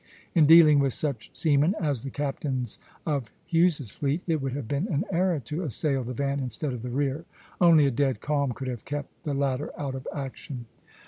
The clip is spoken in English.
In dealing with such seamen as the captains of Hughes's fleet, it would have been an error to assail the van instead of the rear. Only a dead calm could have kept the latter out of action.